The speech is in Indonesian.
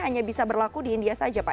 hanya bisa berlaku di india saja pak